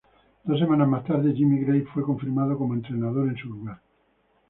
Dos semanas más tarde, Jimmy Gray fue confirmado como entrenador en su lugar.